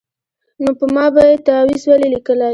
نو په ما به یې تعویذ ولي لیکلای